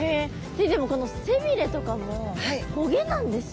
でもこの背ビレとかも棘なんですか？